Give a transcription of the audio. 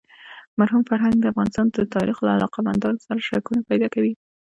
مرحوم فرهنګ د افغانستان د تاریخ له علاقه مندانو سره شکونه پیدا کوي.